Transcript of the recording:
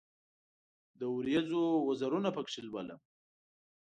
د اوریځو وزرونه پکښې لولم